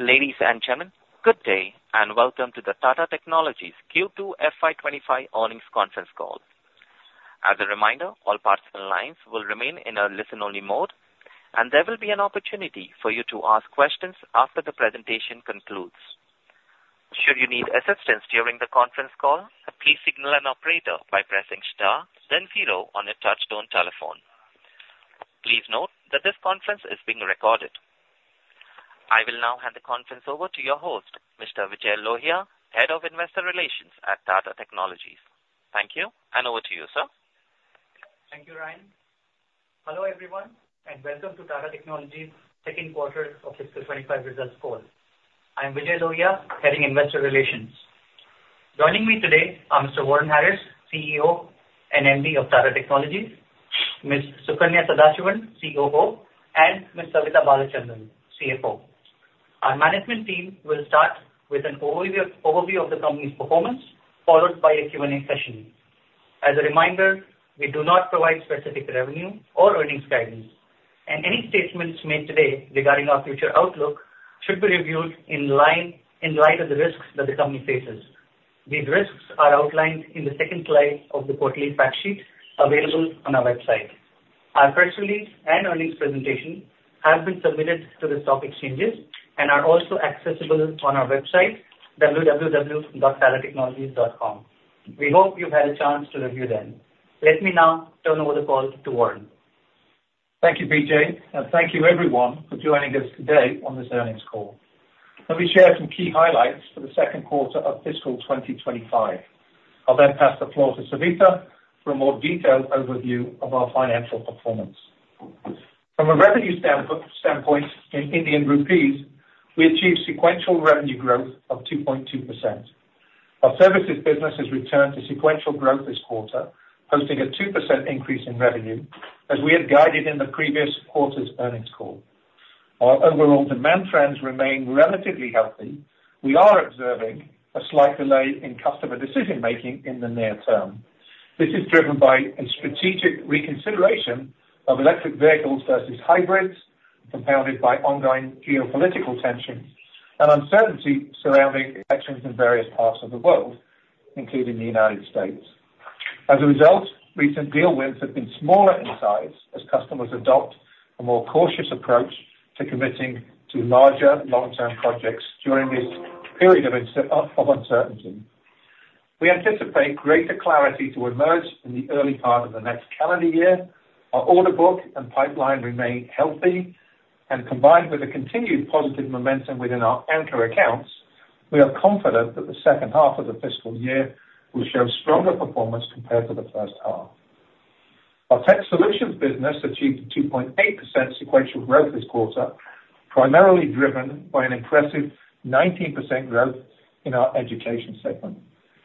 Ladies and gentlemen, good day, and welcome to the Tata Technologies Q2 FY twenty-five earnings conference call. As a reminder, all participants' lines will remain in a listen-only mode, and there will be an opportunity for you to ask questions after the presentation concludes. Should you need assistance during the conference call, please signal an operator by pressing star, then zero on your touchtone telephone. Please note that this conference is being recorded. I will now hand the conference over to your host, Mr. Vijay Lohia, Head of Investor Relations at Tata Technologies. Thank you, and over to you, sir. Thank you, Ryan. Hello, everyone, and welcome to Tata Technologies' second quarter of fiscal twenty-five results call. I'm Vijay Lohia, Head of Investor Relations. Joining me today are Mr. Warren Harris, CEO and MD of Tata Technologies, Ms. Sukanya Sadasivan, COO, and Ms. Savitha Balachandran, CFO. Our management team will start with an overview of the company's performance, followed by a Q&A session. As a reminder, we do not provide specific revenue or earnings guidance, and any statements made today regarding our future outlook should be reviewed in light of the risks that the company faces. These risks are outlined in the second slide of the quarterly fact sheet available on our website. Our press release and earnings presentation have been submitted to the stock exchanges and are also accessible on our website, www.tatatechnologies.com. We hope you've had a chance to review them. Let me now turn over the call to Warren. Thank you, Vijay, and thank you everyone for joining us today on this earnings call. Let me share some key highlights for the second quarter of fiscal 2025. I'll then pass the floor to Savita for a more detailed overview of our financial performance. From a revenue standpoint, in Indian rupees, we achieved sequential revenue growth of 2.2%. Our services business has returned to sequential growth this quarter, posting a 2% increase in revenue as we had guided in the previous quarter's earnings call. Our overall demand trends remain relatively healthy. We are observing a slight delay in customer decision-making in the near term. This is driven by a strategic reconsideration of electric vehicles versus hybrids, compounded by ongoing geopolitical tensions and uncertainty surrounding elections in various parts of the world, including the United States. As a result, recent deal wins have been smaller in size as customers adopt a more cautious approach to committing to larger, long-term projects during this period of uncertainty. We anticipate greater clarity to emerge in the early part of the next calendar year. Our order book and pipeline remain healthy, and combined with the continued positive momentum within our anchor accounts, we are confident that the second half of the fiscal year will show stronger performance compared to the first half. Our tech solutions business achieved a 2.8% sequential growth this quarter, primarily driven by an impressive 19% growth in our education segment,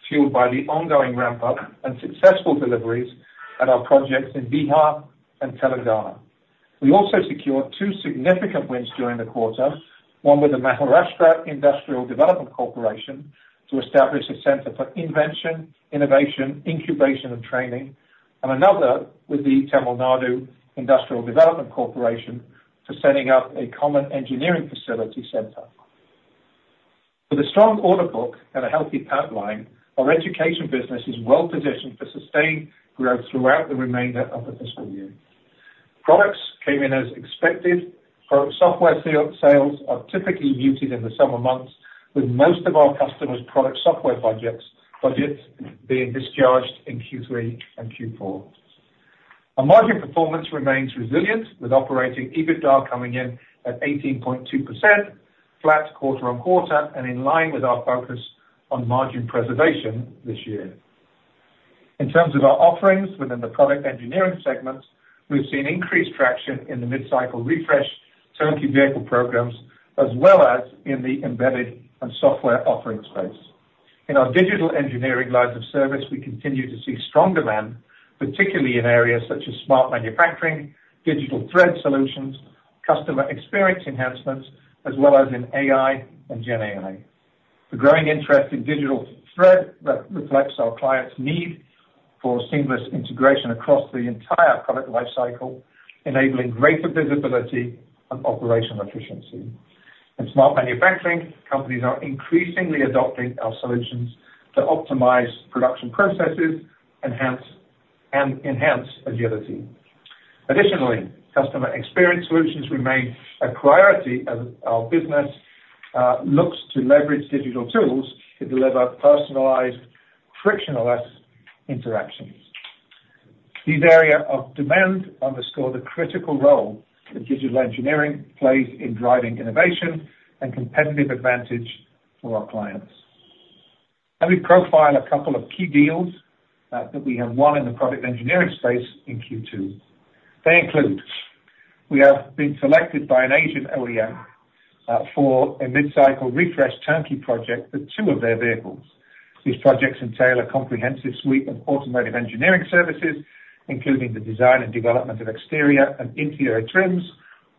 fueled by the ongoing ramp-up and successful deliveries at our projects in Bihar and Telangana. We also secured two significant wins during the quarter, one with the Maharashtra Industrial Development Corporation to establish a center for invention, innovation, incubation, and training, and another with the Tamil Nadu Industrial Development Corporation for setting up a common engineering facility center. With a strong order book and a healthy pipeline, our education business is well positioned for sustained growth throughout the remainder of the fiscal year. Products came in as expected. Product software sales are typically muted in the summer months, with most of our customers' product software budgets being discharged in Q3 and Q4. Our margin performance remains resilient, with operating EBITDA coming in at 18.2%, flat quarter on quarter, and in line with our focus on margin preservation this year. In terms of our offerings within the product engineering segments, we've seen increased traction in the mid-cycle refresh turnkey vehicle programs, as well as in the embedded and software offering space. In our digital engineering lines of service, we continue to see strong demand, particularly in areas such as smart manufacturing, digital thread solutions, customer experience enhancements, as well as in AI and GenAI. The growing interest in digital thread reflects our clients' need for seamless integration across the entire product life cycle, enabling greater visibility and operational efficiency. In smart manufacturing, companies are increasingly adopting our solutions to optimize production processes, enhance agility. Additionally, customer experience solutions remain a priority as our business looks to leverage digital tools to deliver personalized, frictionless interactions. These areas of demand underscore the critical role that digital engineering plays in driving innovation and competitive advantage for our clients. Let me profile a couple of key deals, that we have won in the product engineering space in Q2. They include: We have been selected by an Asian OEM, for a mid-cycle refresh turnkey project for two of their vehicles. These projects entail a comprehensive suite of automotive engineering services, including the design and development of exterior and interior trims,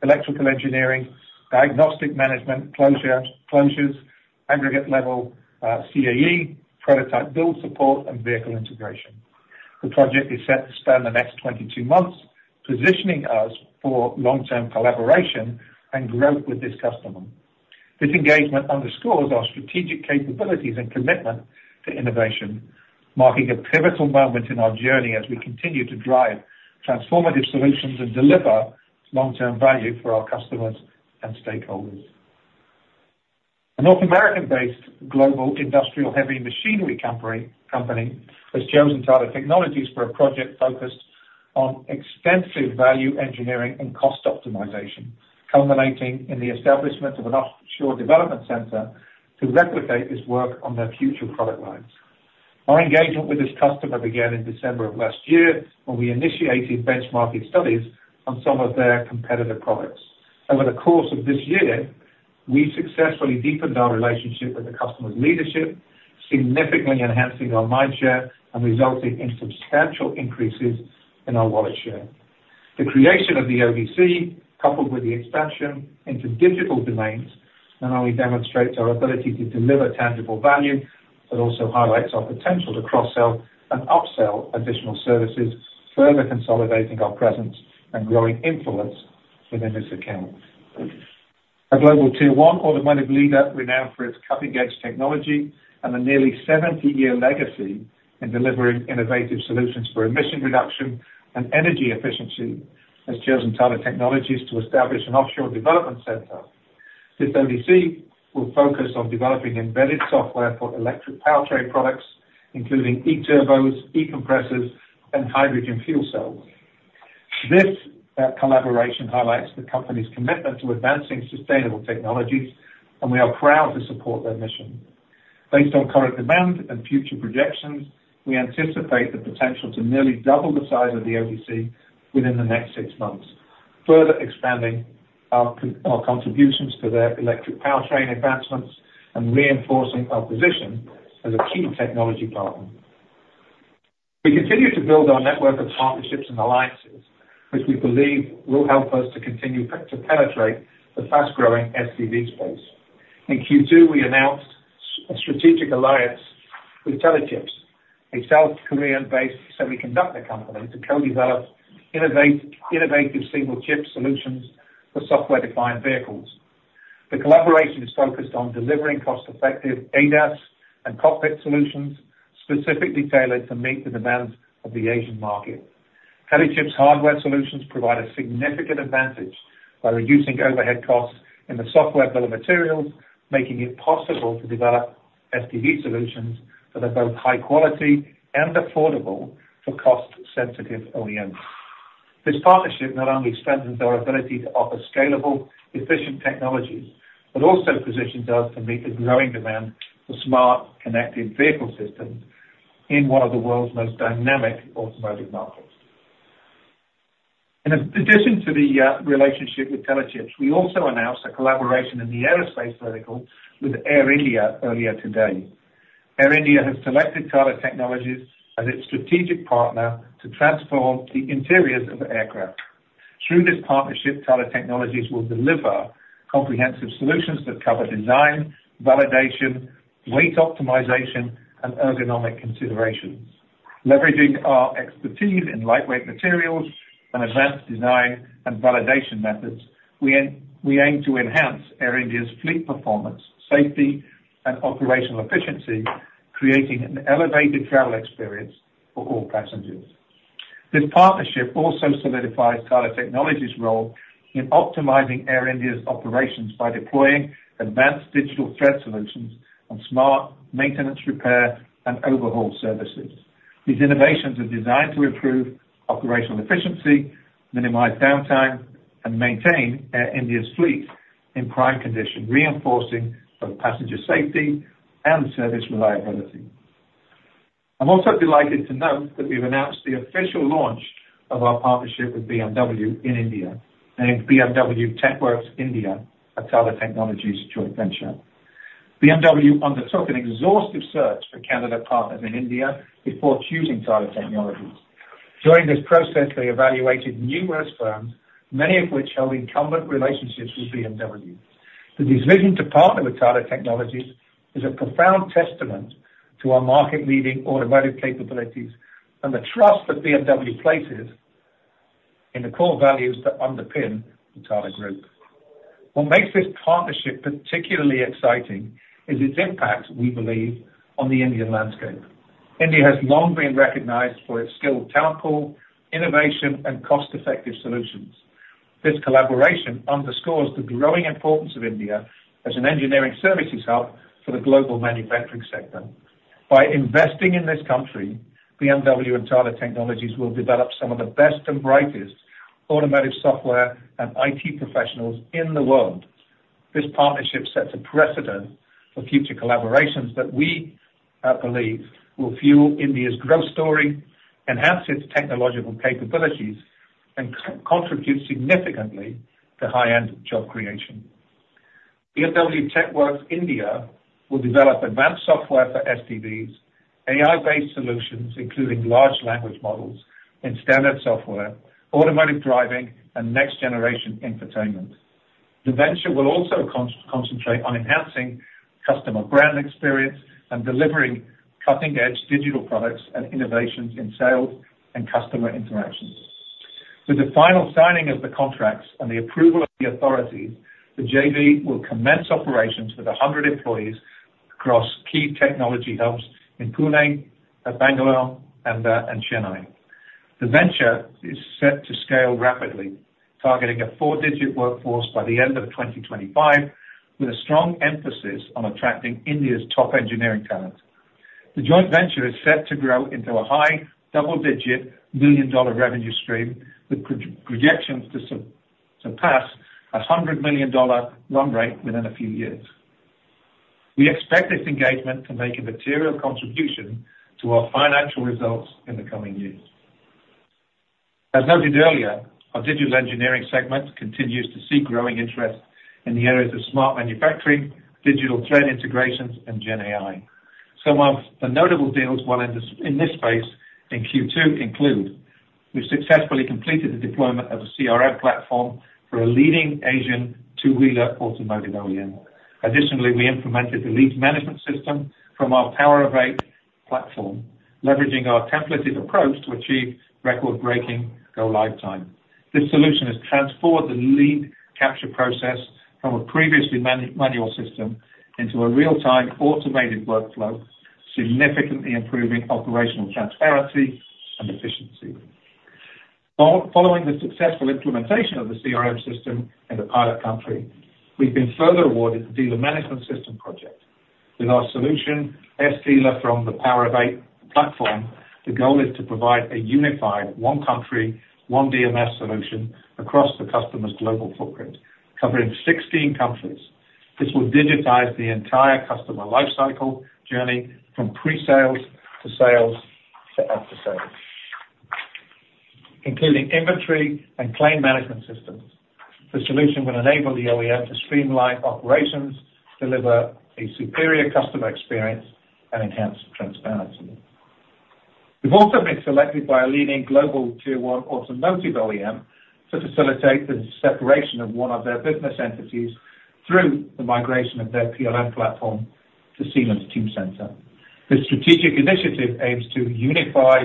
electrical engineering, diagnostic management, closure, closures, aggregate level, CAE, prototype build support, and vehicle integration. The project is set to span the next twenty-two months, positioning us for long-term collaboration and growth with this customer. This engagement underscores our strategic capabilities and commitment to innovation, marking a pivotal moment in our journey as we continue to drive transformative solutions and deliver long-term value for our customers and stakeholders. A North American-based global industrial heavy machinery company has chosen Tata Technologies for a project focused on extensive value engineering and cost optimization, culminating in the establishment of an offshore development center to replicate this work on their future product lines. Our engagement with this customer began in December of last year, when we initiated benchmarking studies on some of their competitor products. Over the course of this year, we successfully deepened our relationship with the customer's leadership, significantly enhancing our mind share and resulting in substantial increases in our wallet share. The creation of the ODC, coupled with the expansion into digital domains, not only demonstrates our ability to deliver tangible value, but also highlights our potential to cross-sell and upsell additional services, further consolidating our presence and growing influence within this account. A global tier one automotive leader, renowned for its cutting-edge technology and a nearly seventy-year legacy in delivering innovative solutions for emission reduction and energy efficiency, has chosen Tata Technologies to establish an offshore development center. This ODC will focus on developing embedded software for electric powertrain products, including e-turbos, e-compressors, and hydrogen fuel cells. This collaboration highlights the company's commitment to advancing sustainable technologies, and we are proud to support their mission. Based on current demand and future projections, we anticipate the potential to nearly double the size of the ODC within the next six months, further expanding our contributions to their electric powertrain advancements and reinforcing our position as a key technology partner. We continue to build our network of partnerships and alliances, which we believe will help us to continue to penetrate the fast-growing SDV space. In Q2, we announced a strategic alliance with Telechips, a South Korean-based semiconductor company, to co-develop innovative single-chip solutions for software-defined vehicles. The collaboration is focused on delivering cost-effective ADAS and cockpit solutions, specifically tailored to meet the demands of the Asian market. Telechips' hardware solutions provide a significant advantage by reducing overhead costs in the software bill of materials, making it possible to develop SDV solutions that are both high quality and affordable for cost-sensitive OEMs. This partnership not only strengthens our ability to offer scalable, efficient technologies, but also positions us to meet the growing demand for smart, connected vehicle systems in one of the world's most dynamic automotive markets. In addition to the relationship with Telechips, we also announced a collaboration in the aerospace vertical with Air India earlier today. Air India has selected Tata Technologies as its strategic partner to transform the interiors of aircraft. Through this partnership, Tata Technologies will deliver comprehensive solutions that cover design, validation, weight optimization, and ergonomic considerations. Leveraging our expertise in lightweight materials and advanced design and validation methods, we aim to enhance Air India's fleet performance, safety, and operational efficiency, creating an elevated travel experience for all passengers. This partnership also solidifies Tata Technologies' role in optimizing Air India's operations by deploying advanced digital thread solutions and smart maintenance, repair, and overhaul services. These innovations are designed to improve operational efficiency, minimize downtime, and maintain Air India's fleet in prime condition, reinforcing both passenger safety and service reliability. I'm also delighted to note that we've announced the official launch of our partnership with BMW in India, named BMW TechWorks India, a Tata Technologies joint venture. BMW undertook an exhaustive search for candidate partners in India before choosing Tata Technologies. During this process, they evaluated numerous firms, many of which held incumbent relationships with BMW. The decision to partner with Tata Technologies is a profound testament to our market-leading automotive capabilities and the trust that BMW places in the core values that underpin the Tata Group. What makes this partnership particularly exciting is its impact, we believe, on the Indian landscape. India has long been recognized for its skilled talent pool, innovation, and cost-effective solutions. This collaboration underscores the growing importance of India as an engineering services hub for the global manufacturing sector. By investing in this country, BMW and Tata Technologies will develop some of the best and brightest automotive software and IT professionals in the world. This partnership sets a precedent for future collaborations that we believe will fuel India's growth story, enhance its technological capabilities, and contribute significantly to high-end job creation. BMW TechWorks India will develop advanced software for SDVs, AI-based solutions, including large language models and standard software, automotive driving, and next-generation infotainment. The venture will also concentrate on enhancing customer brand experience and delivering cutting-edge digital products and innovations in sales and customer interactions. With the final signing of the contracts and the approval of the authorities, the JV will commence operations with a hundred employees across key technology hubs in Pune, Bangalore, and Chennai. The venture is set to scale rapidly, targeting a four-digit workforce by the end of twenty twenty-five, with a strong emphasis on attracting India's top engineering talent. The joint venture is set to grow into a high double-digit billion-dollar revenue stream, with projections to surpass a $100 million run rate within a few years. We expect this engagement to make a material contribution to our financial results in the coming years. As noted earlier, our digital engineering segment continues to see growing interest in the areas of smart manufacturing, digital thread integrations, and GenAI. Some of the notable deals in this space in Q2 include: we've successfully completed the deployment of a CRM platform for a leading Asian two-wheeler automotive OEM. Additionally, we implemented the leads management system from our Power of 8 platform, leveraging our templated approach to achieve record-breaking go-live time. This solution has transformed the lead capture process from a previously manual system into a real-time automated workflow, significantly improving operational transparency and efficiency. Following the successful implementation of the CRM system in the pilot country, we've been further awarded the dealer management system project. With our solution, S Dealer from the Power of Eight platform, the goal is to provide a unified one country, one DMS solution across the customer's global footprint, covering 16 countries. This will digitize the entire customer life cycle journey from pre-sales, to sales, to after sales, including inventory and claim management systems. The solution will enable the OEM to streamline operations, deliver a superior customer experience, and enhance transparency. We've also been selected by a leading global tier one automotive OEM to facilitate the separation of one of their business entities through the migration of their PLM platform to Siemens Teamcenter. This strategic initiative aims to unify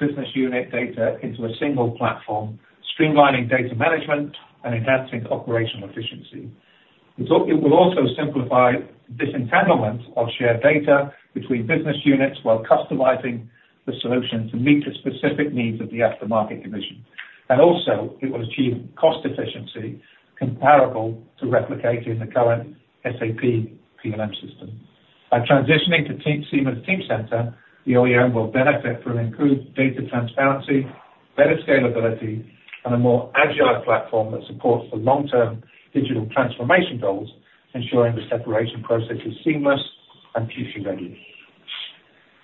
business unit data into a single platform, streamlining data management and enhancing operational efficiency. It will also simplify disentanglement of shared data between business units, while customizing the solution to meet the specific needs of the aftermarket division. And also, it will achieve cost efficiency comparable to replicating the current SAP PLM system. By transitioning to Siemens Teamcenter, the OEM will benefit from improved data transparency, better scalability, and a more agile platform that supports the long-term digital transformation goals, ensuring the separation process is seamless and future-ready.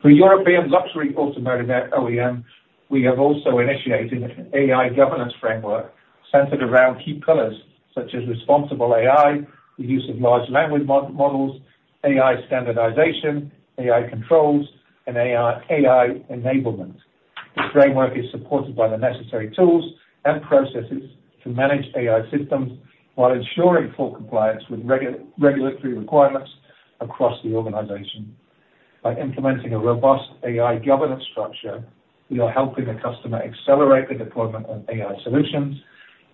For European luxury automotive OEM, we have also initiated an AI governance framework centered around key pillars, such as responsible AI, the use of large language models, AI standardization, AI controls, and AI enablement. This framework is supported by the necessary tools and processes to manage AI systems while ensuring full compliance with regulatory requirements across the organization. By implementing a robust AI governance structure, we are helping the customer accelerate the deployment of AI solutions,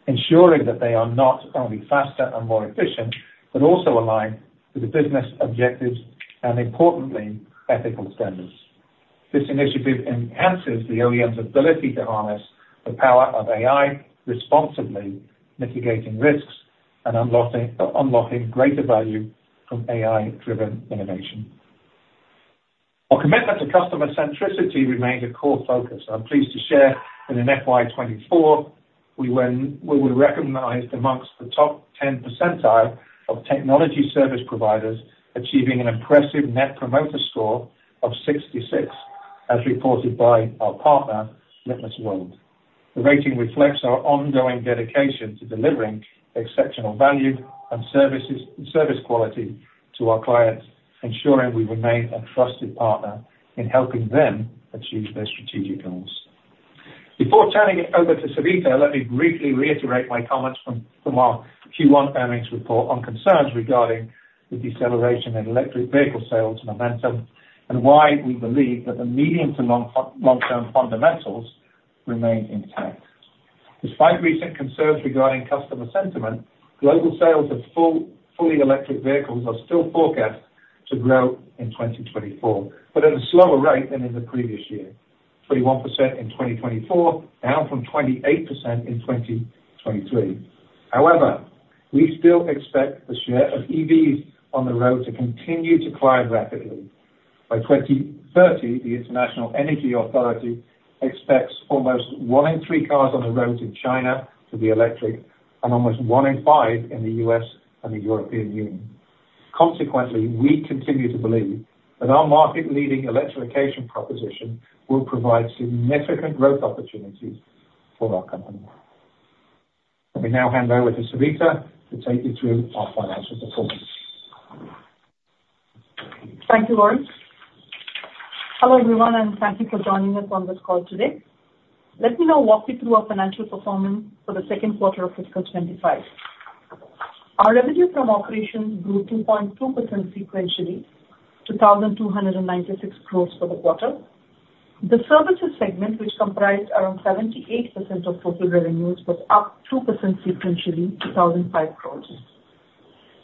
ensuring that they are not only faster and more efficient, but also aligned with the business objectives, and importantly, ethical standards. This initiative enhances the OEM's ability to harness the power of AI, responsibly mitigating risks and unlocking greater value from AI-driven innovation. Our commitment to customer centricity remains a core focus. I'm pleased to share that in FY 2024, we were recognized among the top 10 percentile of technology service providers, achieving an impressive Net Promoter Score of 66, as reported by our partner, LitmusWorld. The rating reflects our ongoing dedication to delivering exceptional value and service quality to our clients, ensuring we remain a trusted partner in helping them achieve their strategic goals. Before turning it over to Savita, let me briefly reiterate my comments from our Q1 earnings report on concerns regarding the deceleration in electric vehicle sales momentum, and why we believe that the medium to long-term fundamentals remain intact. Despite recent concerns regarding customer sentiment, global sales of fully electric vehicles are still forecast to grow in 2024, but at a slower rate than in the previous year. 31% in 2024, down from 28% in 2023. However, we still expect the share of EVs on the road to continue to climb rapidly. By 2030, the International Energy Agency expects almost one in three cars on the road in China to be electric, and almost one in five in the US and the European Union. Consequently, we continue to believe that our market-leading electrification proposition will provide significant growth opportunities for our company. Let me now hand over to Savita to take you through our financial performance. Thank you, Warren. Hello, everyone, and thank you for joining us on this call today. Let me now walk you through our financial performance for the second quarter of fiscal 2025. Our revenue from operations grew 2.2% sequentially to 1,296 crores for the quarter. The services segment, which comprised around 78% of total revenues, was up 2% sequentially to 1,005 crores.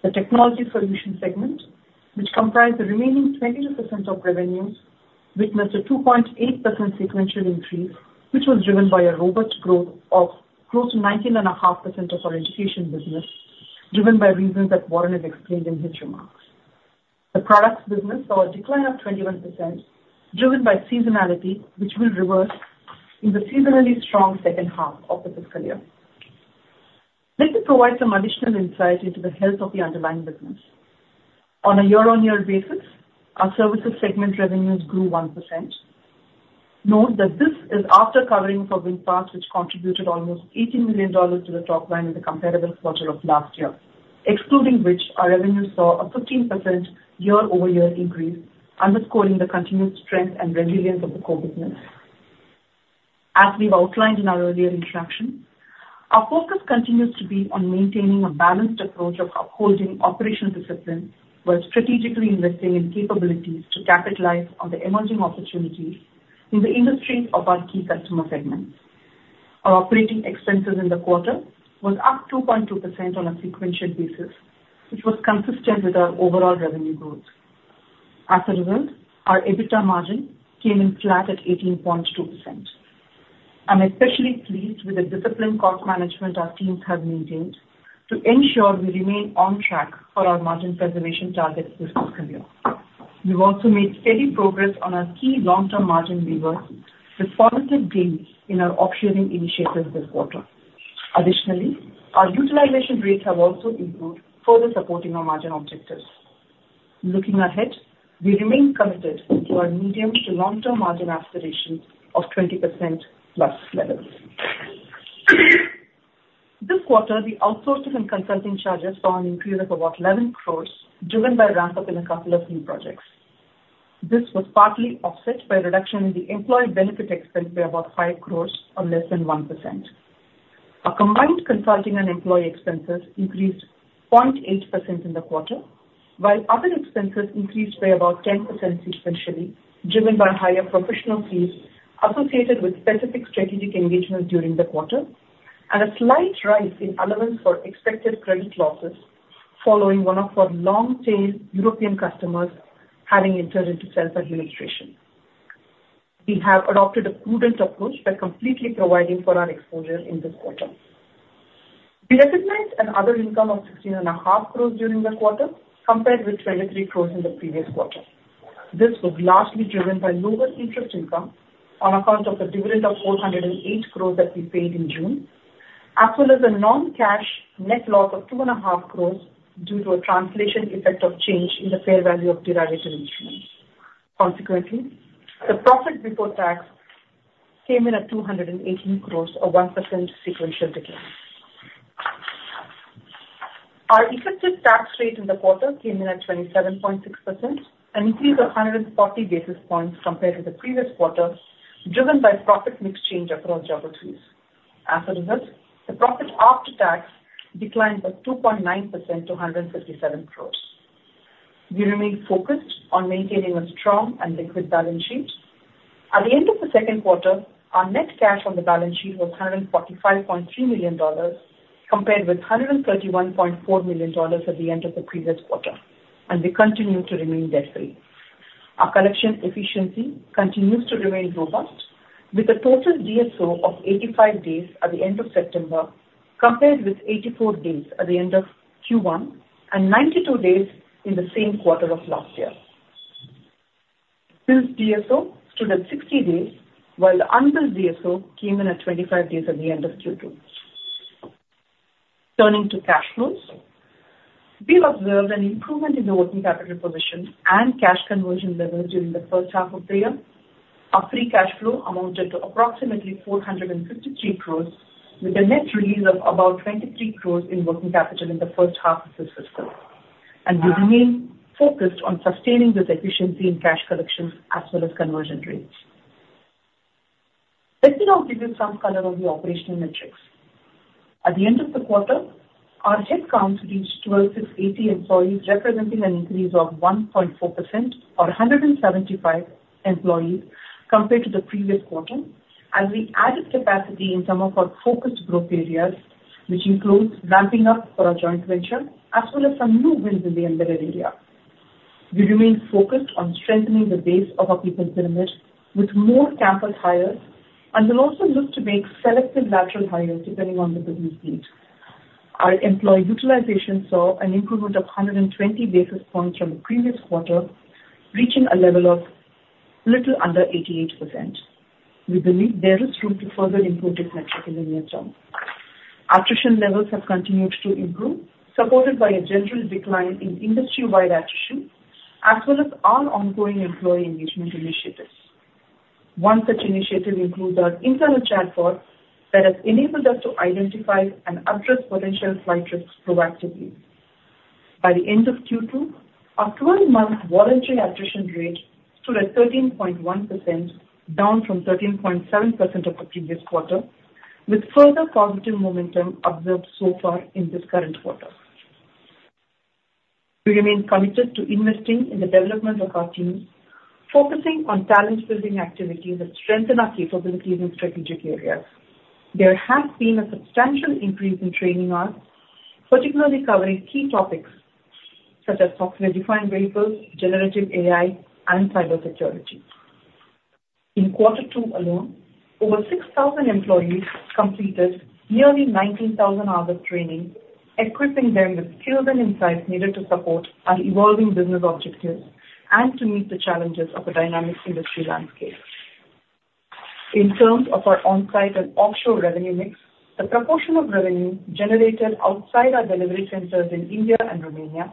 The technology solution segment, which comprised the remaining 22% of revenues, witnessed a 2.8% sequential increase, which was driven by a robust growth of close to 19.5% of our education business, driven by reasons that Warren has explained in his remarks. The products business saw a decline of 21%, driven by seasonality, which will reverse in the seasonally strong second half of the fiscal year. Let me provide some additional insight into the health of the underlying business. On a year-on-year basis, our services segment revenues grew 1%. Note that this is after covering for VinFast, which contributed almost $18 million to the top line in the comparable quarter of last year, excluding which our revenues saw a 15% year-over-year increase, underscoring the continuous strength and resilience of the core business. As we've outlined in our earlier interaction, our focus continues to be on maintaining a balanced approach of upholding operational discipline, while strategically investing in capabilities to capitalize on the emerging opportunities in the industries of our key customer segments. Our operating expenses in the quarter was up 2.2% on a sequential basis, which was consistent with our overall revenue growth. As a result, our EBITDA margin came in flat at 18.2%. I'm especially pleased with the disciplined cost management our teams have maintained to ensure we remain on track for our margin preservation targets this fiscal year. We've also made steady progress on our key long-term margin levers with positive gains in our offshoring initiatives this quarter. Additionally, our utilization rates have also improved, further supporting our margin objectives. Looking ahead, we remain committed to our medium to long-term margin aspirations of 20% plus levels. This quarter, the outsourcing and consulting charges saw an increase of about 11 crores, driven by a ramp-up in a couple of new projects. This was partly offset by a reduction in the employee benefit expense by about 5 crores, or less than 1%. Our combined consulting and employee expenses increased 0.8% in the quarter, while other expenses increased by about 10% sequentially, driven by higher professional fees associated with specific strategic engagements during the quarter, and a slight rise in allowance for expected credit losses following one of our long-tail European customers having entered into self-administration. We have adopted a prudent approach by completely providing for our exposure in this quarter. We recognized an other income of 16.5 crores during the quarter, compared with 23 crores in the previous quarter. This was largely driven by lower interest income on account of the dividend of 408 crores that we paid in June, as well as a non-cash net loss of 2.5 crores due to a translation effect of change in the fair value of derivative instruments. Consequently, the profit before tax came in at 218 crores, a 1% sequential decline. Our effective tax rate in the quarter came in at 27.6%, an increase of 140 basis points compared to the previous quarter, driven by profit mix change across geographies. As a result, the profit after tax declined by 2.9% to 157 crores. We remain focused on maintaining a strong and liquid balance sheet. At the end of the second quarter, our net cash on the balance sheet was $145.3 million, compared with $131.4 million at the end of the previous quarter, and we continue to remain debt-free. Our collection efficiency continues to remain robust, with a total DSO of 85 days at the end of September, compared with 84 days at the end of Q1 and 92 days in the same quarter of last year. Bills DSO stood at 60 days, while the unbilled DSO came in at 25 days at the end of Q2. Turning to cash flows. We've observed an improvement in the working capital position and cash conversion levels during the first half of the year. Our free cash flow amounted to approximately 453 crores, with a net release of about 23 crores in working capital in the first half of this fiscal. And we remain focused on sustaining this efficiency in cash collections as well as conversion rates. Let me now give you some color on the operational metrics. At the end of the quarter, our headcount reached 12,680 employees, representing an increase of 1.4% or 175 employees compared to the previous quarter, as we added capacity in some of our focused growth areas, which includes ramping up for our joint venture as well as some new wins in the embedded area. We remain focused on strengthening the base of our people pyramid with more campus hires, and we'll also look to make selective lateral hires depending on the business need. Our employee utilization saw an improvement of 120 basis points from the previous quarter, reaching a level of little under 88%. We believe there is room to further improve this metric in the near term. Attrition levels have continued to improve, supported by a general decline in industry-wide attrition, as well as our ongoing employee engagement initiatives.... One such initiative includes our internal chatbot that has enabled us to identify and address potential flight risks proactively. By the end of Q2, our twelve-month voluntary attrition rate stood at 13.1%, down from 13.7% of the previous quarter, with further positive momentum observed so far in this current quarter. We remain committed to investing in the development of our teams, focusing on talent-building activities that strengthen our capabilities in strategic areas. There has been a substantial increase in training hours, particularly covering key topics such as software-defined vehicles, generative AI, and cybersecurity. In quarter two alone, over 6,000 employees completed nearly 19,000 hours of training, equipping them with skills and insights needed to support our evolving business objectives and to meet the challenges of a dynamic industry landscape. In terms of our on-site and offshore revenue mix, the proportion of revenue generated outside our delivery centers in India and Romania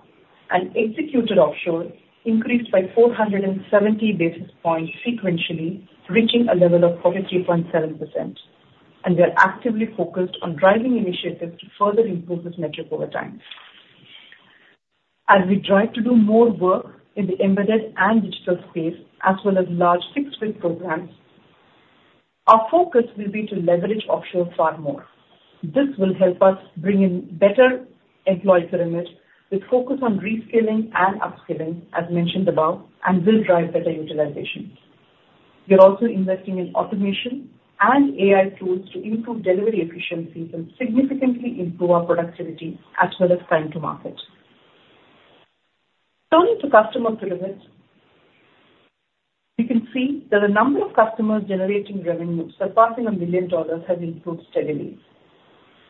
and executed offshore increased by 470 basis points sequentially, reaching a level of 43.7%. We are actively focused on driving initiatives to further improve this metric over time. As we drive to do more work in the embedded and digital space, as well as large fixed-bid programs, our focus will be to leverage offshore far more. This will help us bring in better employee pyramid, with focus on reskilling and upskilling, as mentioned above, and will drive better utilization. We are also investing in automation and AI tools to improve delivery efficiencies and significantly improve our productivity as well as time to market. Turning to customer pyramids, we can see that the number of customers generating revenue surpassing $1 million has improved steadily.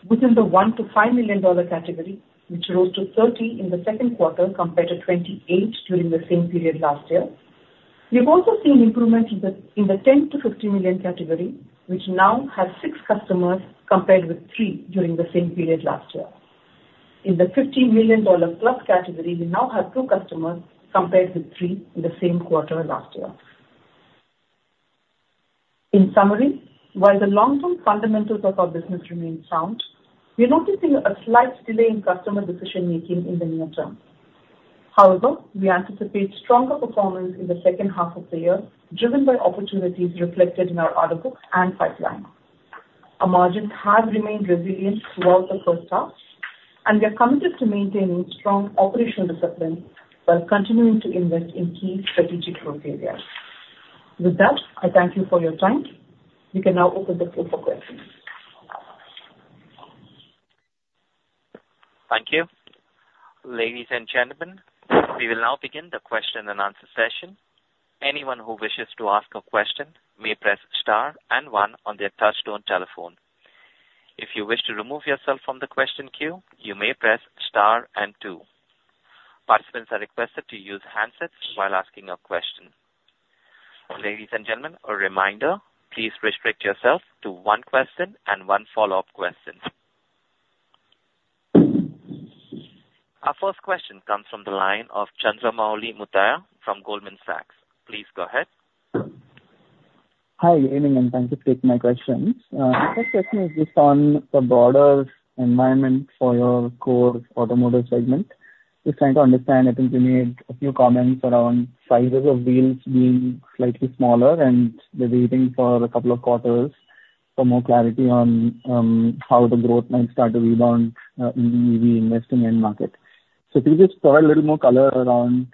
Within the $1 million-$5 million category, which rose to 30 in the second quarter compared to 28 during the same period last year. We've also seen improvement in the $10 million-$50 million category, which now has six customers, compared with three during the same period last year. In the $50 million plus category, we now have two customers, compared with three in the same quarter last year. In summary, while the long-term fundamentals of our business remain sound, we are noticing a slight delay in customer decision-making in the near term. However, we anticipate stronger performance in the second half of the year, driven by opportunities reflected in our order book and pipeline. Our margins have remained resilient throughout the first half, and we are committed to maintaining strong operational discipline while continuing to invest in key strategic growth areas. With that, I thank you for your time. We can now open the floor for questions. Thank you. Ladies and gentlemen, we will now begin the question-and-answer session. Anyone who wishes to ask a question may press star and one on their touchtone telephone. If you wish to remove yourself from the question queue, you may press star and two. Participants are requested to use handsets while asking a question. Ladies and gentlemen, a reminder, please restrict yourself to one question and one follow-up question. Our first question comes from the line of Chandramouli Muthiah from Goldman Sachs. Please go ahead. Hi, good evening, and thanks for taking my questions. My first question is just on the broader environment for your core automotive segment. Just trying to understand, I think you made a few comments around sizes of deals being slightly smaller, and we're waiting for a couple of quarters for more clarity on how the growth might start to rebound in the investing end market. So can you just provide a little more color around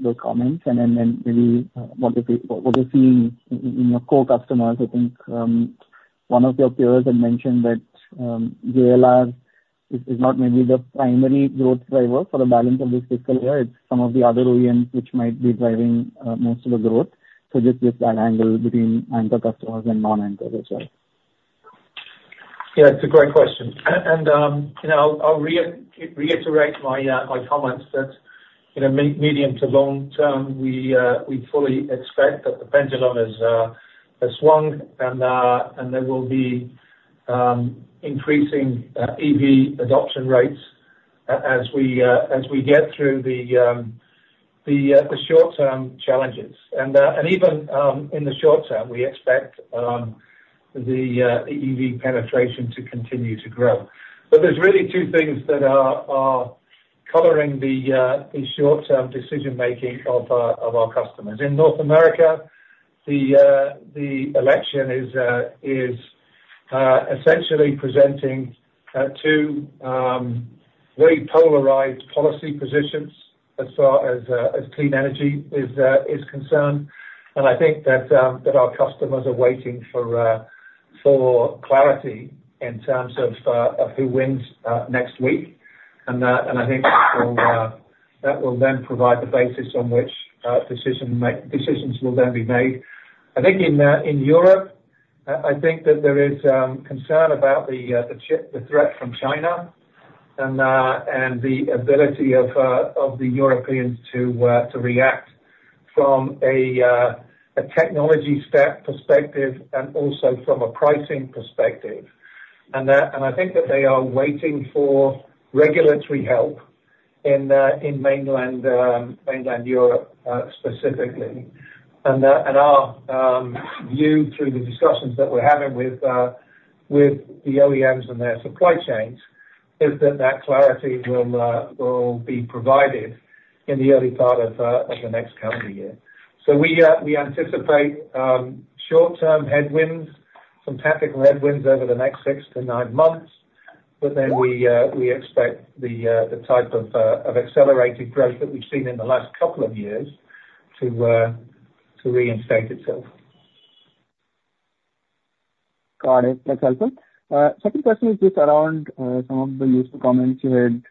those comments and then maybe what you're seeing in your core customers? I think one of your peers had mentioned that JLR is not maybe the primary growth driver for the balance of this fiscal year. It's some of the other OEMs which might be driving most of the growth. So just that angle between anchor customers and non-anchors as well. Yeah, it's a great question. And, you know, I'll reiterate my comments that, you know, medium to long term, we fully expect that the pendulum has swung and there will be increasing EV adoption rates as we get through the short-term challenges. And even in the short term, we expect the EV penetration to continue to grow. But there's really two things that are coloring the short-term decision making of our customers. In North America, the election is essentially presenting two very polarized policy positions as far as clean energy is concerned. I think that our customers are waiting for clarity in terms of who wins next week. I think that will then provide the basis on which decisions will then be made. I think in Europe, I think that there is concern about the threat from China and the ability of the Europeans to react from a technology perspective and also from a pricing perspective. I think that they are waiting for regulatory help in mainland Europe specifically. Our view through the discussions that we're having with the OEMs and their supply chains is that clarity will be provided in the early part of the next calendar year. So we anticipate short-term headwinds, some tactical headwinds over the next six to nine months, but then we expect the type of accelerated growth that we've seen in the last couple of years to reinstate itself. Got it. That's helpful. Second question is just around some of the useful comments you had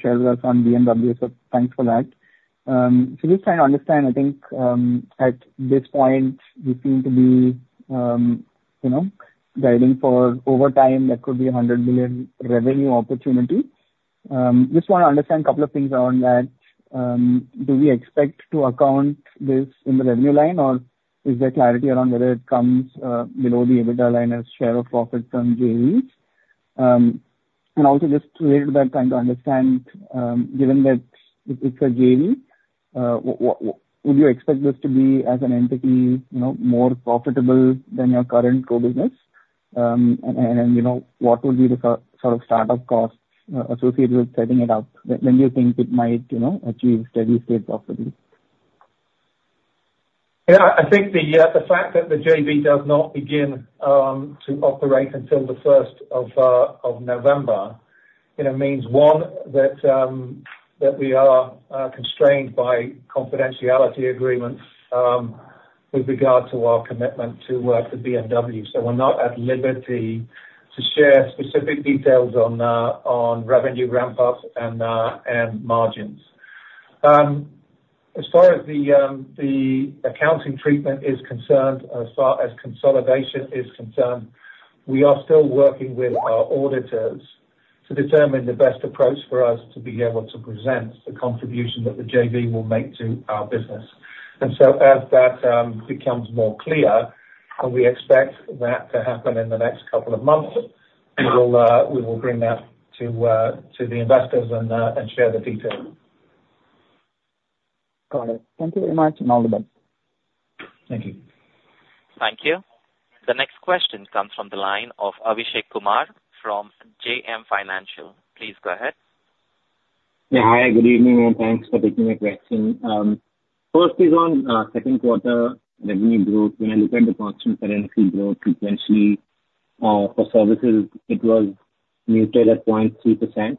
shared with us on BMW, so thanks for that. So just trying to understand, I think, at this point, you seem to be, you know, guiding for over time, that could be a hundred million revenue opportunity. Just want to understand a couple of things around that. Do we expect to account this in the revenue line, or is there clarity around whether it comes below the EBITDA line as share of profits from JVs? And also just related to that, trying to understand, given that it's a JV, would you expect this to be as an entity, you know, more profitable than your current core business? You know, what will be the sort of startup costs associated with setting it up? When do you think it might, you know, achieve steady state profitably? Yeah, I think the fact that the JV does not begin to operate until the first of November, you know, means, one, that we are constrained by confidentiality agreements with regard to our commitment to BMW. So we're not at liberty to share specific details on revenue ramp-up and margins. As far as the accounting treatment is concerned, as far as consolidation is concerned, we are still working with our auditors to determine the best approach for us to be able to present the contribution that the JV will make to our business. And so as that becomes more clear, and we expect that to happen in the next couple of months, we will bring that to the investors and share the details. Got it. Thank you very much, and all the best. Thank you. Thank you. The next question comes from the line of Abhishek Kumar from JM Financial. Please go ahead. Yeah, hi, good evening, and thanks for taking my question. First is on second quarter revenue growth. When I look at the constant currency growth sequentially, for services, it was muted at 0.3%.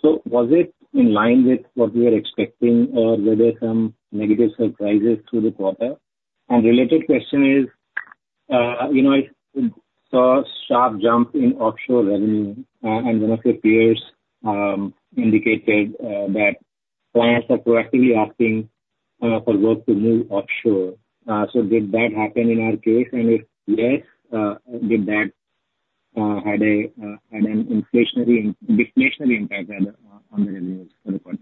So was it in line with what we were expecting, or were there some negative surprises through the quarter? And related question is, you know, I saw a sharp jump in offshore revenue, and one of your peers indicated that clients are proactively asking for work to move offshore. So did that happen in our case? And if yes, did that had a had an inflationary--deflationary impact on the revenues for the quarter?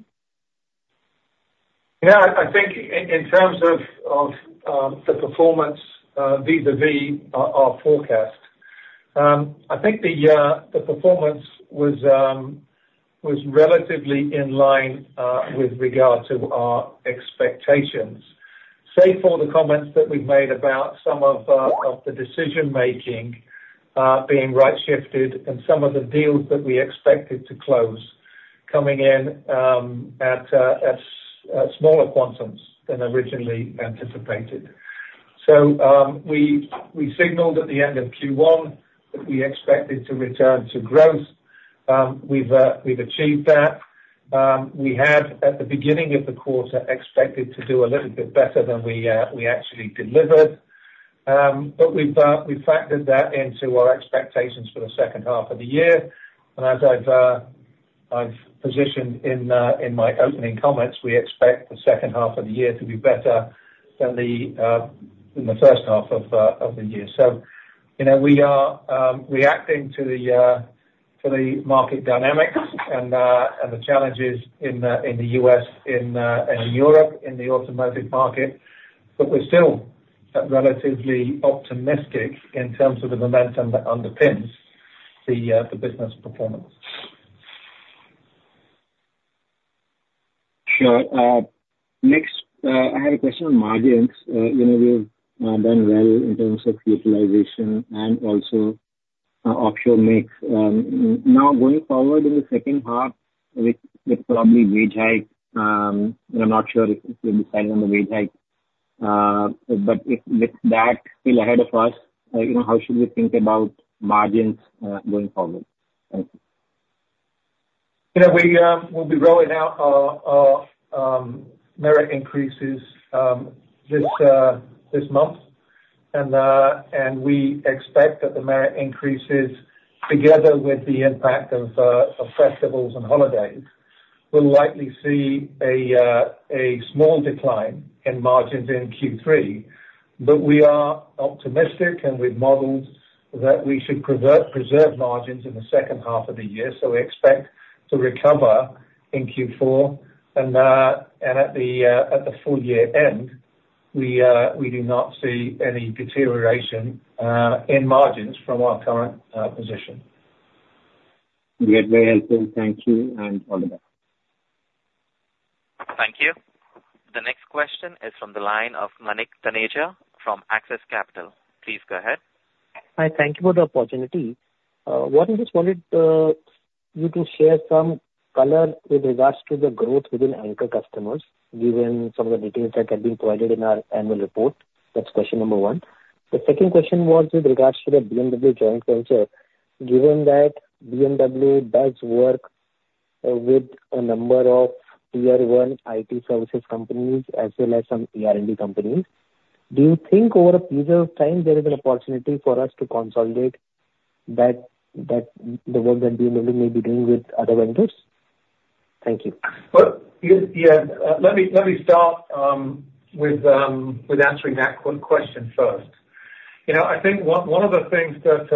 Yeah, I think in terms of the performance vis-a-vis our forecast, I think the performance was relatively in line with regard to our expectations. Save for the comments that we've made about some of the decision-making being right-shifted, and some of the deals that we expected to close, coming in at smaller quantums than originally anticipated. So, we signaled at the end of Q1 that we expected to return to growth. We've achieved that. We had, at the beginning of the quarter, expected to do a little bit better than we actually delivered. But we've factored that into our expectations for the second half of the year. As I've positioned in my opening comments, we expect the second half of the year to be better than the first half of the year. So, you know, we are reacting to the market dynamics and the challenges in the US and in Europe in the automotive market, but we're still relatively optimistic in terms of the momentum that underpins the business performance. Sure. Next, I had a question on margins. You know, we've done well in terms of utilization and also offshore mix. Now, going forward in the second half with probably wage hike, and I'm not sure if you've decided on the wage hike, but if with that still ahead of us, you know, how should we think about margins going forward? Thank you. You know, we'll be rolling out our merit increases this month, and we expect that the merit increases, together with the impact of festivals and holidays, we'll likely see a small decline in margins in Q3, but we are optimistic, and we've modeled that we should preserve margins in the second half of the year, so we expect to recover in Q4, and at the full year end, we do not see any deterioration in margins from our current position. Great, very helpful. Thank you, and all the best. Thank you. The next question is from the line of Manik Taneja from Axis Capital. Please go ahead. Hi, thank you for the opportunity. What I just wanted you to share some color with regards to the growth within anchor customers, given some of the details that have been provided in our annual report. That's question number one. The second question was with regards to the BMW joint venture. Given that BMW does work with a number of tier one IT services companies, as well as some R&D companies, do you think over a period of time, there is an opportunity for us to consolidate that the work that BMW may be doing with other vendors? Thank you. Yeah, yeah. Let me start with answering that question first. You know, I think one of the things that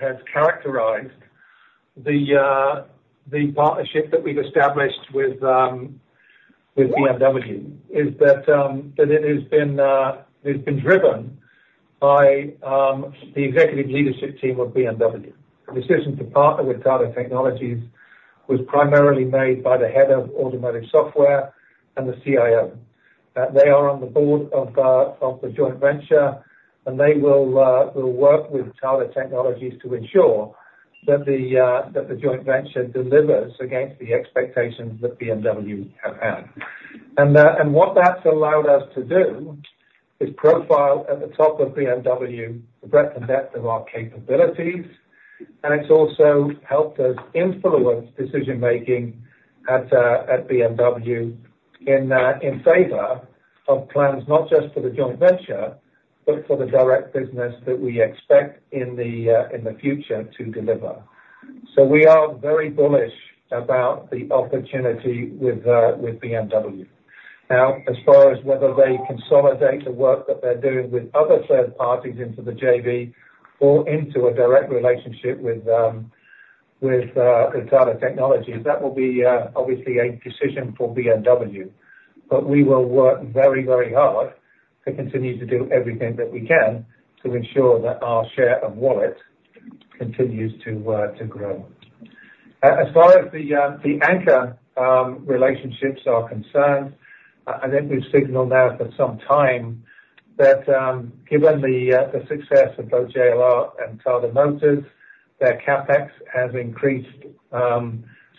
has characterized the partnership that we've established with BMW is that it has been driven by the executive leadership team of BMW. The decision to partner with Tata Technologies was primarily made by the head of automotive software and the CIO. They are on the board of the joint venture, and they will work with Tata Technologies to ensure that the joint venture delivers against the expectations that BMW have had. And what that's allowed us to do is profile at the top of BMW the breadth and depth of our capabilities, and it's also helped us influence decision-making at at BMW in in favor of plans, not just for the joint venture, but for the direct business that we expect in the in the future to deliver. So we are very bullish about the opportunity with with BMW. Now, as far as whether they consolidate the work that they're doing with other third parties into the JV, or into a direct relationship with with with Tata Technologies, that will be obviously a decision for BMW. But we will work very, very hard to continue to do everything that we can, to ensure that our share of wallet continues to to grow. As far as the anchor relationships are concerned, I think we've signaled now for some time that, given the success of both JLR and Tata Motors, their CapEx has increased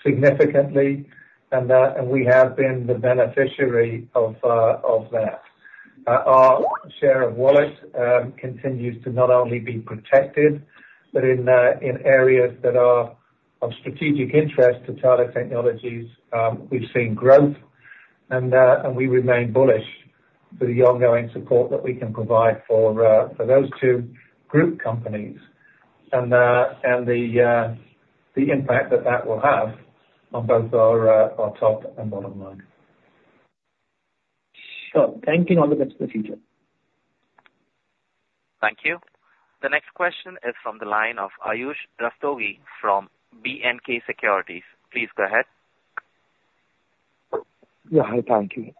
significantly, and we have been the beneficiary of that. Our share of wallet continues to not only be protected, but in areas that are of strategic interest to Tata Technologies, we've seen growth, and we remain bullish to the ongoing support that we can provide for those two group companies, and the impact that that will have on both our top and bottom line. Sure. Thank you, and all the best for the future. Thank you. The next question is from the line of Ayush Rastogi from B&K Securities. Please go ahead. Yeah. Hi, thank you.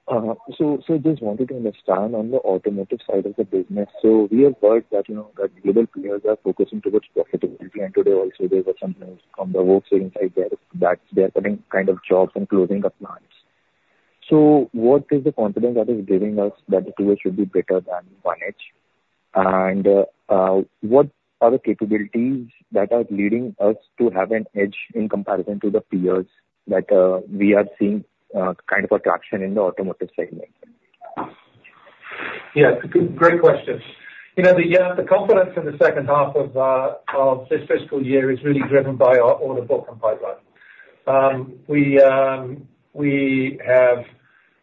So just wanted to understand on the automotive side of the business, so we have heard that, you know, that global players are focusing towards profitability, and today also there were some news from the Wall Street inside there, that they're cutting kind of jobs and closing up plants. So what is the confidence that is giving us that the two should be better than 1H? And what are the capabilities that are leading us to have an edge in comparison to the peers, that we are seeing kind of a traction in the automotive segment? Yeah, great questions. You know, the confidence in the second half of this fiscal year is really driven by our order book and pipeline. We have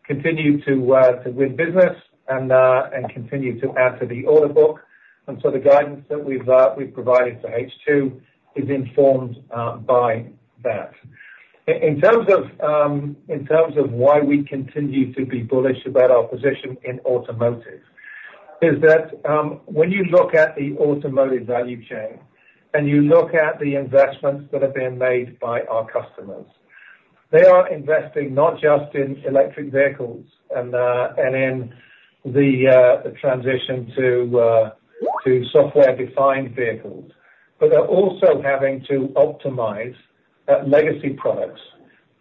continued to win business and continue to add to the order book, and so the guidance that we've provided for H2 is informed by that. In terms of why we continue to be bullish about our position in automotive, is that when you look at the automotive value chain, and you look at the investments that have been made by our customers, they are investing not just in electric vehicles and in the transition to software-defined vehicles, but they're also having to optimize that legacy products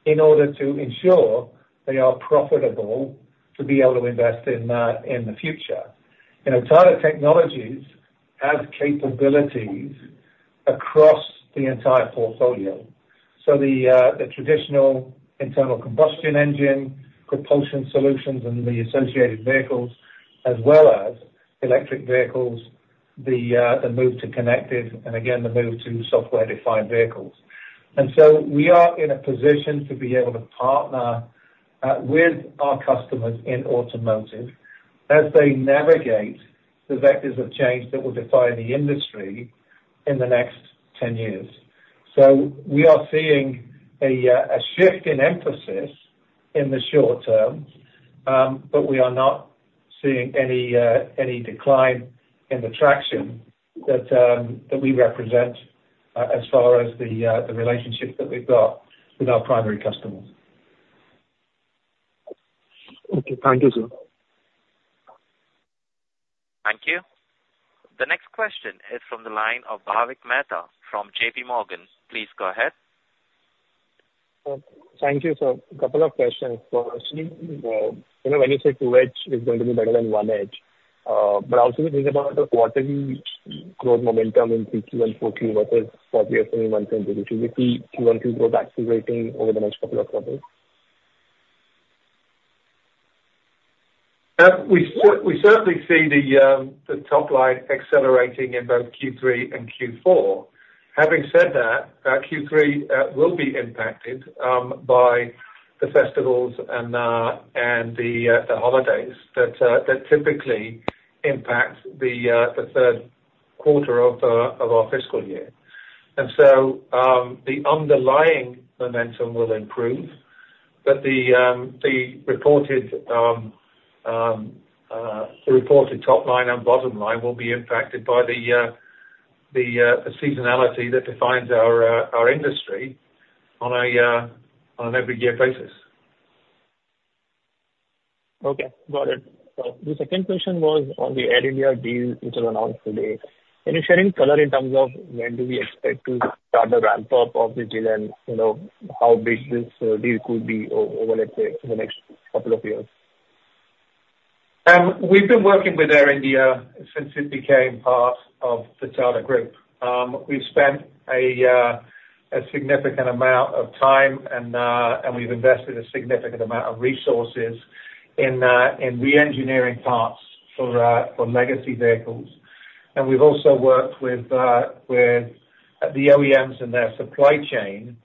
in order to ensure they are profitable to be able to invest in the future. You know, Tata Technologies has capabilities across the entire portfolio. So the traditional internal combustion engine propulsion solutions, and the associated vehicles, as well as electric vehicles, the move to connected, and again, the move to software-defined vehicles. We are in a position to be able to partner with our customers in automotive, as they navigate the vectors of change that will define the industry in the next 10 years. We are seeing a shift in emphasis in the short term, but we are not seeing any decline in the traction that we represent, as far as the relationship that we've got with our primary customers. Okay, thank you, sir. Thank you. The next question is from the line of Bhavik Mehta from JP Morgan. Please go ahead. Thank you, sir. A couple of questions. Firstly, you know, when you say 2H is going to be better than 1H, but also when you think about the quarterly growth momentum in Q3 and Q4, versus obviously, do you see Q1 to grow back to rating over the next couple of quarters? We certainly see the top line accelerating in both Q3 and Q4. Having said that, Q3 will be impacted by the festivals and the holidays that typically impact the third quarter of our fiscal year. The underlying momentum will improve, but the reported top line and bottom line will be impacted by the seasonality that defines our industry on an every year basis. Okay, got it. So the second question was on the Air India deal, which was announced today. Any color in terms of when do we expect to start the ramp up of the deal? And, you know, how big this deal could be over, let's say, in the next couple of years? We've been working with Air India since it became part of the Tata Group. We've spent a significant amount of time, and we've invested a significant amount of resources in reengineering parts for legacy vehicles, and we've also worked with the OEMs and their supply chain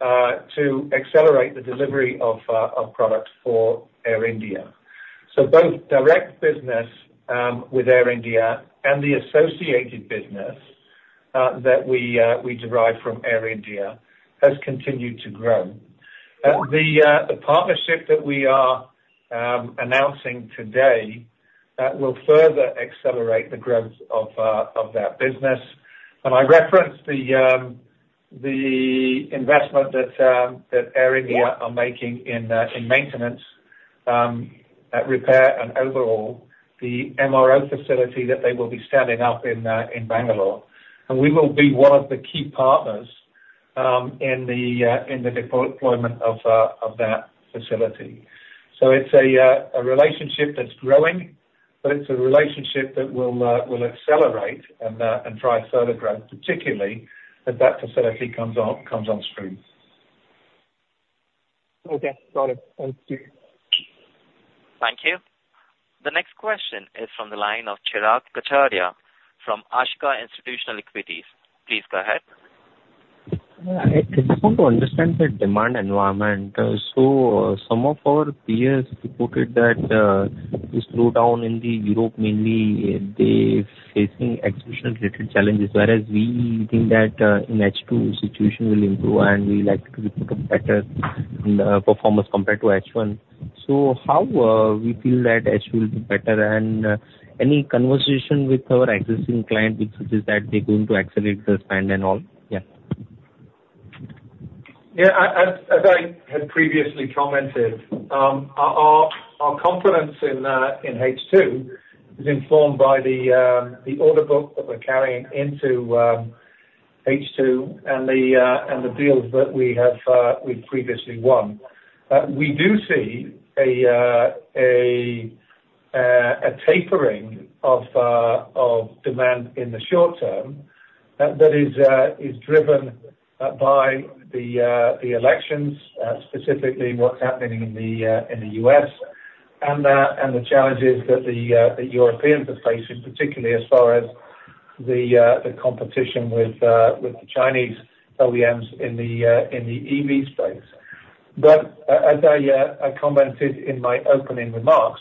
to accelerate the delivery of product for Air India, so both direct business with Air India and the associated business that we derive from Air India has continued to grow. The partnership that we are announcing today, that will further accelerate the growth of that business. And I referenced the investment that Air India are making in maintenance, repair and overhaul, the MRO facility that they will be standing up in Bangalore. And we will be one of the key partners in the deployment of that facility. So it's a relationship that's growing, but it's a relationship that will accelerate and drive further growth, particularly as that facility comes on stream. Okay, got it. Thank you. Thank you. The next question is from the line of Chirag Kacharia from Ashika Institutional Equities. Please go ahead. I just want to understand the demand environment. So some of our peers reported that, the slowdown in Europe, mainly they facing execution-related challenges, whereas we think that, in H2, situation will improve, and we like to be put a better, performance compared to H1. So how we feel that H2 will be better? And, any conversation with our existing client, which is that they're going to accelerate the spend and all? Yeah. Yeah, as I had previously commented, our confidence in H2 is informed by the order book that we're carrying into H2 and the deals that we've previously won. We do see a tapering of demand in the short term that is driven by the elections, specifically what's happening in the U.S., and the challenges that the Europeans are facing, particularly as far as the competition with the Chinese OEMs in the EV space. But as I commented in my opening remarks,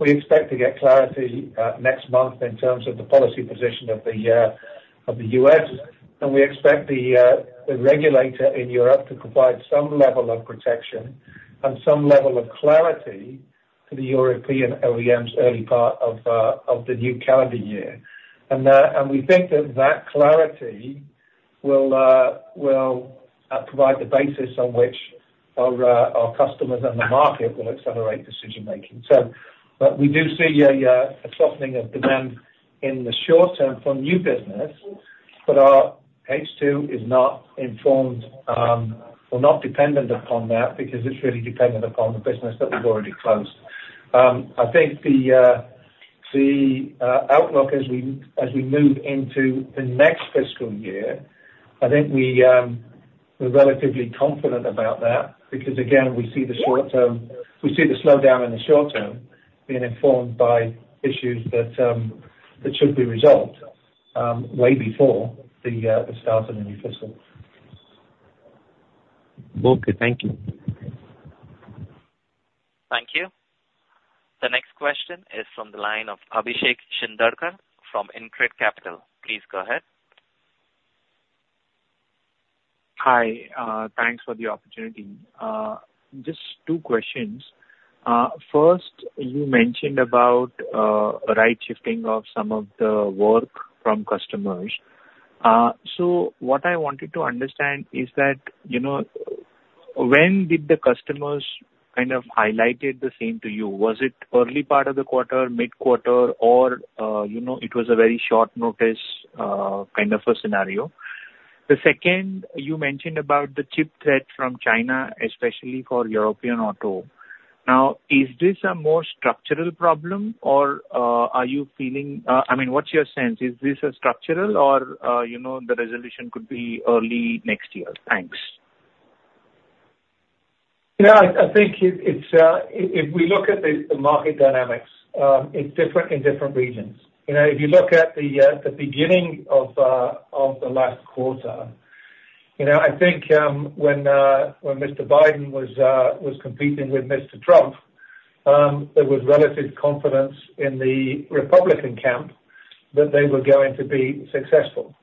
we expect to get clarity next month in terms of the policy position of the U.S. And we expect the regulator in Europe to provide some level of protection and some level of clarity to the European OEMs, early part of the new calendar year. And we think that clarity will provide the basis on which our customers and the market will accelerate decision making. So, but we do see a softening of demand in the short term for new business, but H2 is not informed or not dependent upon that, because it's really dependent upon the business that we've already closed. I think the outlook as we move into the next fiscal year. I think we're relatively confident about that, because again, we see the short term, we see the slowdown in the short term, being informed by issues that should be resolved way before the start of the new fiscal. Okay, thank you. Thank you. The next question is from the line of Abhishek Shindadkar from InCred Capital. Please go ahead. Hi, thanks for the opportunity. Just two questions. First, you mentioned about right shifting of some of the work from customers. So what I wanted to understand is that, you know, when did the customers kind of highlighted the same to you? Was it early part of the quarter, mid-quarter, or, you know, it was a very short notice kind of a scenario? The second, you mentioned about the cheap threat from China, especially for European auto. Now, is this a more structural problem or, are you feeling, I mean, what's your sense? Is this a structural or, you know, the resolution could be early next year? Thanks. Yeah, I think it's if we look at the market dynamics, it's different in different regions. You know, if you look at the beginning of the last quarter, you know, I think when Mr. Biden was competing with Mr. Trump, there was relative confidence in the Republican camp that they were going to be successful.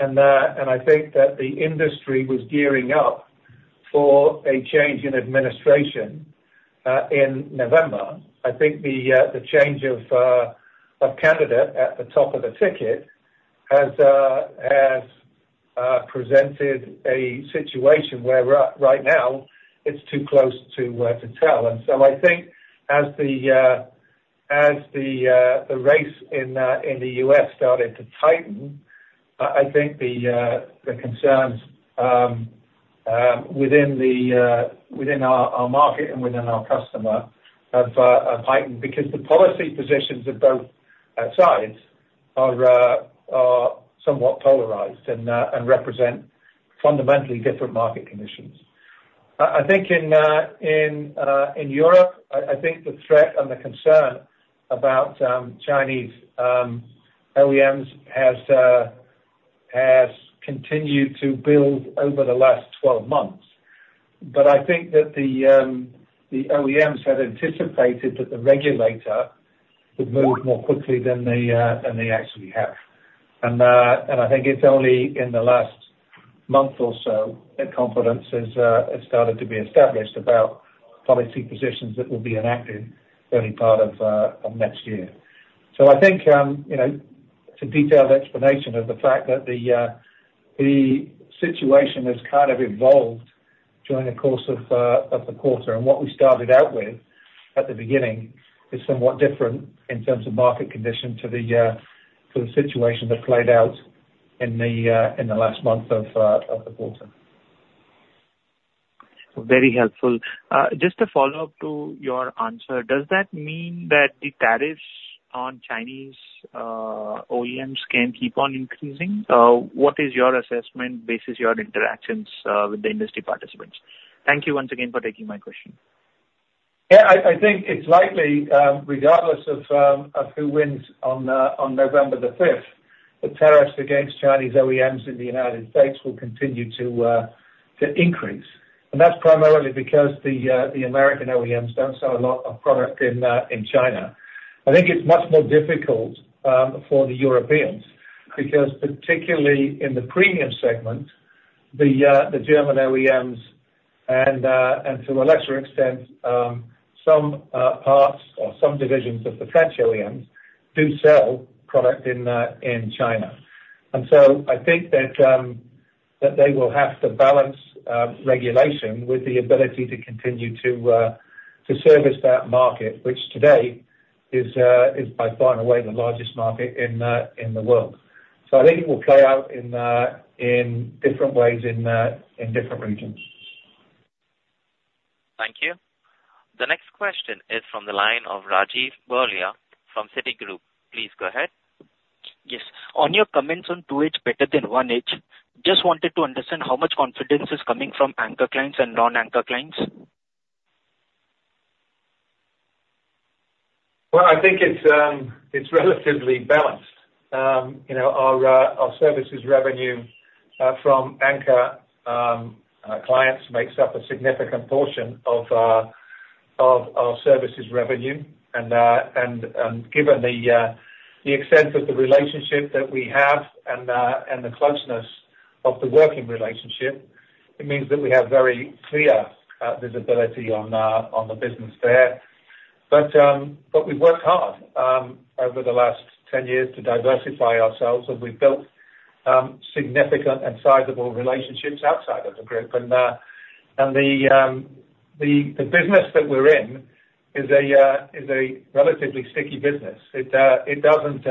And I think that the industry was gearing up for a change in administration in November. I think the change of candidate at the top of the ticket has presented a situation where right now it's too close to tell. I think as the race in the U.S. started to tighten, I think the concerns within our market and within our customer have heightened because the policy positions of both sides are somewhat polarized and represent fundamentally different market conditions. I think in Europe, I think the threat and the concern about Chinese OEMs has continued to build over the last twelve months. I think that the OEMs had anticipated that the regulator would move more quickly than they actually have. And I think it's only in the last month or so that confidence has started to be established about policy positions that will be enacted early part of next year. So I think you know it's a detailed explanation of the fact that the situation has kind of evolved during the course of the quarter. And what we started out with at the beginning is somewhat different in terms of market condition to the situation that played out in the last month of the quarter. Very helpful. Just a follow-up to your answer, does that mean that the tariffs on Chinese OEMs can keep on increasing? What is your assessment, based on your interactions, with the industry participants? Thank you once again for taking my question. Yeah, I think it's likely, regardless of who wins on November the fifth, the tariffs against Chinese OEMs in the United States will continue to increase, and that's primarily because the American OEMs don't sell a lot of product in China. I think it's much more difficult for the Europeans, because particularly in the premium segment, the German OEMs and to a lesser extent some parts or some divisions of the French OEMs do sell product in China. And so I think that they will have to balance regulation with the ability to continue to service that market, which today is by far and away the largest market in the world. So I think it will play out in different ways in different regions. Thank you. The next question is from the line of Rajiv Berlia from Citigroup. Please go ahead. Yes. On your comments on 2H better than 1H, just wanted to understand how much confidence is coming from anchor clients and non-anchor clients? I think it's relatively balanced. You know, our services revenue from anchor clients makes up a significant portion of our services revenue, and given the extent of the relationship that we have and the closeness of the working relationship, it means that we have very clear visibility on the business there, but we've worked hard over the last ten years to diversify ourselves, and we've built significant and sizable relationships outside of the group, and the business that we're in is a relatively sticky business. It doesn't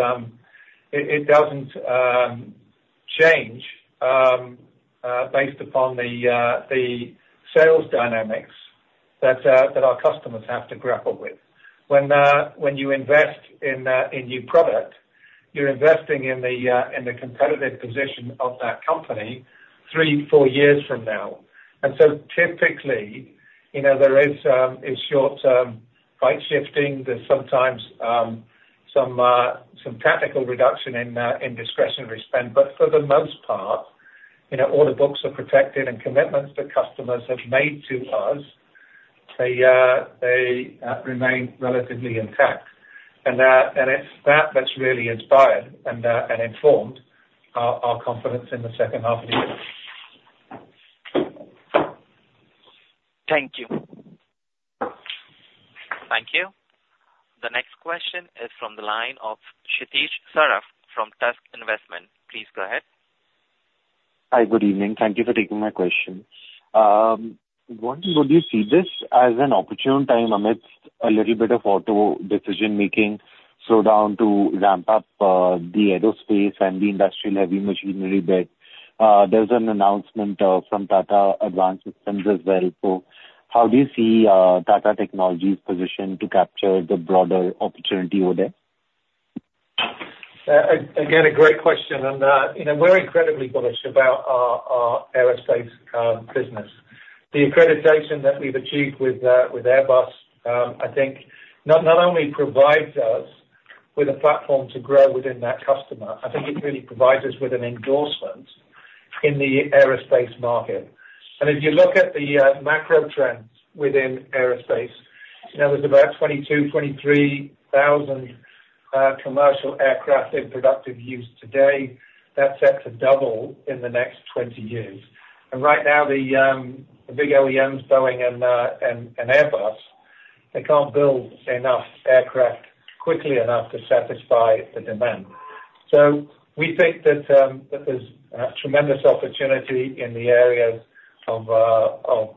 change based upon the sales dynamics that our customers have to grapple with. When you invest in new product, you're investing in the competitive position of that company three, four years from now. So typically, you know, there is short-term price shifting. There's sometimes some tactical reduction in discretionary spend, but for the most part, you know, all the books are protected, and commitments the customers have made to us, they remain relatively intact, and it's that that's really inspired and informed our confidence in the second half of the year. Thank you. Thank you. The next question is from the line of Kshitij Saraf from Tusk Investments. Please go ahead. Hi, good evening. Thank you for taking my question. Warren, would you see this as an opportune time amidst a little bit of auto decision making slowdown to ramp up the aerospace and the industrial heavy machinery bit? There's an announcement from Tata Advanced Systems as well. So how do you see Tata Technologies' position to capture the broader opportunity over there? Again, a great question, and, you know, we're incredibly bullish about our aerospace business. The accreditation that we've achieved with Airbus, I think not only provides us with a platform to grow within that customer, I think it really provides us with an endorsement in the aerospace market. And if you look at the macro trends within aerospace, there was about 22,000-23,000 commercial aircraft in productive use today. That's set to double in the next 20 years. And right now, the big OEMs, Boeing and Airbus, they can't build enough aircraft quickly enough to satisfy the demand. So we think that there's tremendous opportunity in the areas of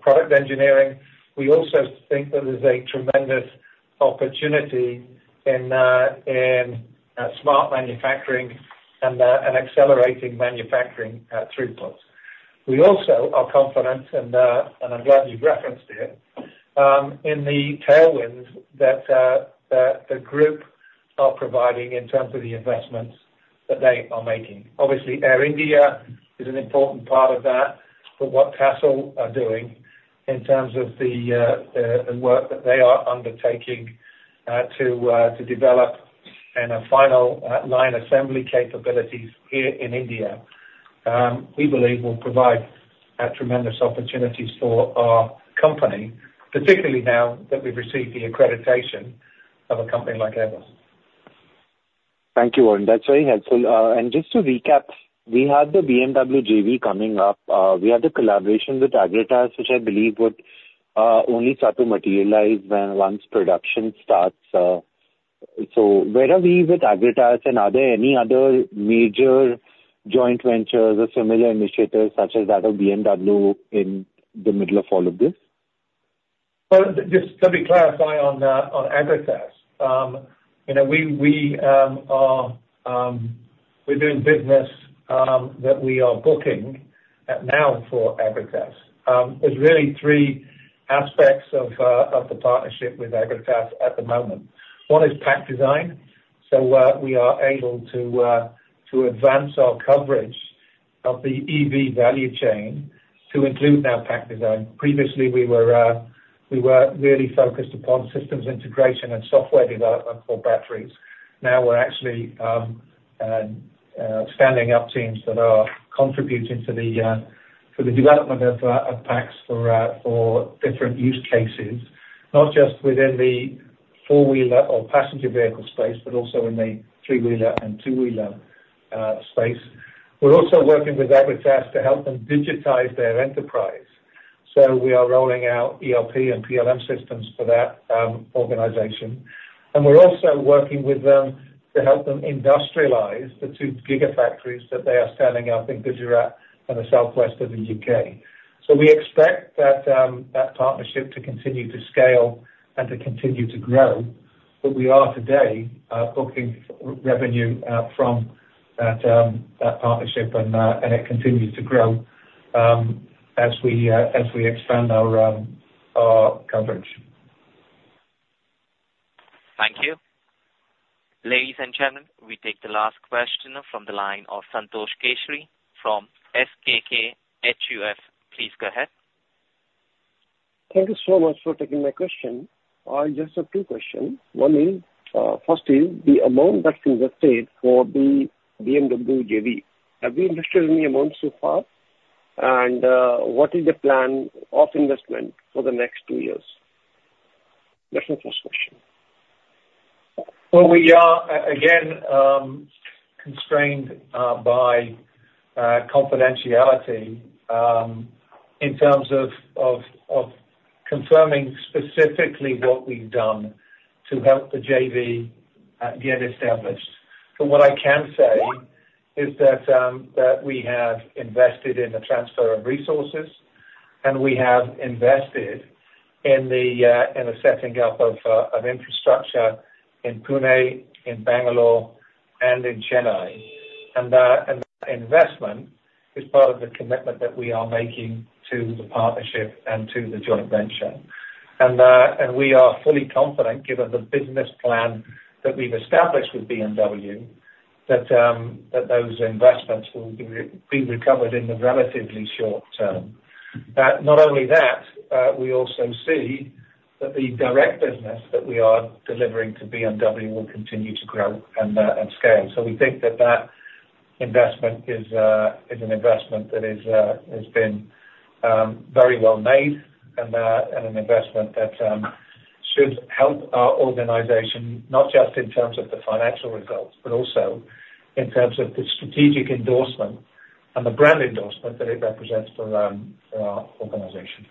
product engineering. We also think that there's a tremendous opportunity in smart manufacturing and accelerating manufacturing throughput. We also are confident, and I'm glad you've referenced it, in the tailwinds that the group are providing in terms of the investments that they are making. Obviously, Air India is an important part of that, but what TASL are doing in terms of the work that they are undertaking to develop in a final line assembly capabilities here in India, we believe will provide tremendous opportunities for our company, particularly now that we've received the accreditation of a company like Airbus. Thank you, Warren. That's very helpful, and just to recap, we have the BMW JV coming up. We have the collaboration with Agratas, which I believe would only start to materialize when production starts, so where are we with Agratas, and are there any other major joint ventures or similar initiatives such as that of BMW in the middle of all of this? Just let me clarify on Agratas. You know, we are doing business that we are booking now for Agratas. There's really three aspects of the partnership with Agratas at the moment. One is pack design. So, we are able to advance our coverage of the EV value chain to include now pack design. Previously, we were really focused upon systems integration and software development for batteries. Now, we're actually standing up teams that are contributing to the development of packs for different use cases, not just within the four-wheeler or passenger vehicle space, but also in the three-wheeler and two-wheeler space. We're also working with Agratas to help them digitize their enterprise. So we are rolling out ERP and PLM systems for that organization, and we're also working with them to help them industrialize the two gigafactories that they are standing up in Gujarat and the southwest of the U.K. So we expect that partnership to continue to scale and to continue to grow, but we are today booking revenue from that partnership, and it continues to grow as we expand our coverage. Thank you. Ladies and gentlemen, we take the last question from the line of Santosh Kesari from SKK HUF. Please go ahead. Thank you so much for taking my question. I just have two questions. One is, first is, the amount that's invested for the BMW JV, have we invested any amount so far? And, what is the plan of investment for the next two years? That's my first question. We are again constrained by confidentiality in terms of confirming specifically what we've done to help the JV get established, but what I can say is that we have invested in the transfer of resources, and we have invested in the setting up of infrastructure in Pune, in Bangalore, and in Chennai. That investment is part of the commitment that we are making to the partnership and to the joint venture. We are fully confident, given the business plan that we've established with BMW, that those investments will be recovered in the relatively short term. Not only that, we also see that the direct business that we are delivering to BMW will continue to grow and scale. So we think that investment is an investment that has been very well made, and an investment that should help our organization, not just in terms of the financial results, but also in terms of the strategic endorsement and the brand endorsement that it represents for our organization.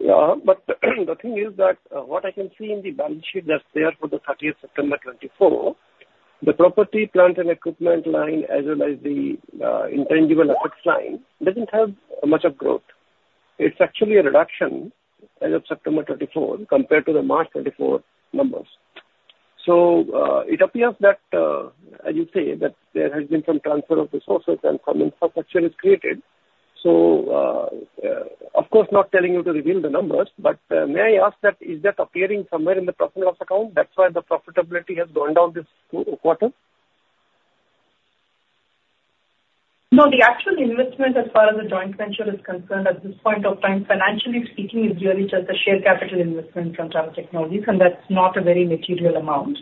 Yeah, but the thing is that, what I can see in the balance sheet that's there for the thirtieth September 2024, the property, plant and equipment line, as well as the, intangible assets line, doesn't have much of growth. It's actually a reduction as of September 2024 compared to the March 2024 numbers. So, it appears that, as you say, that there has been some transfer of resources and some infrastructure is created. So, of course, not telling you to reveal the numbers, but, may I ask that, is that appearing somewhere in the profit and loss account, that's why the profitability has gone down this quarter? No, the actual investment as far as the joint venture is concerned at this point of time, financially speaking, is really just a share capital investment from Tata Technologies, and that's not a very material amount.